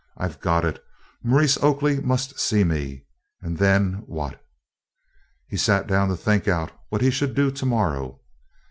I 've got it! Maurice Oakley must see me, and then what?" He sat down to think out what he should do to morrow.